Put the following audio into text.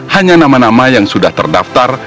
hanya nama nama yang sudah terdaftar